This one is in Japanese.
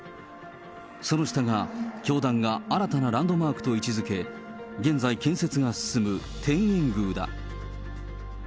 その下が教団が新たなランドマークと位置づけ、現在、建設が進む天苑宮だ。